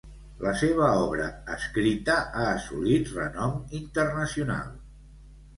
La seva obra escrita ha assolit renom internacional.